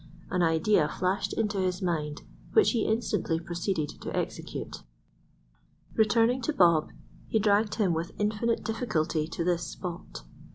An idea flashed into his mind which he instantly proceeded to execute. Returning to Bob he dragged him with infinite difficulty to this spot.